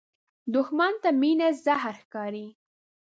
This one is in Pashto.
دښمن ته مینه زهر ښکاري